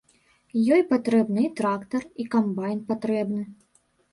Ёй патрэбны і трактар, і камбайн патрэбны.